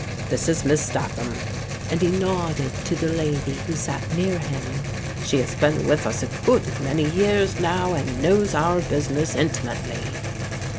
This is Miss Statham," and he nodded to the lady who sat near him. " She has been with us a good many years now, and knows our business intimately."